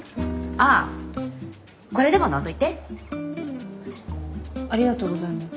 ありがとうございます。